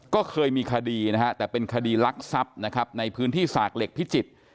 ก็เคยมีคดีนะฮะแต่เป็นคดีลักทรัพย์นะครับในพื้นที่สากเหล็กพิจิตร